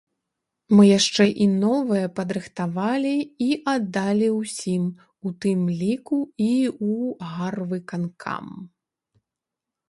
Мы яшчэ і новыя падрыхтавалі і аддалі ўсім, у тым ліку і ў гарвыканкам.